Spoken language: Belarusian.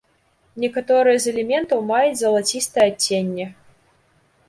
Некаторыя з элементаў маюць залацістае адценне.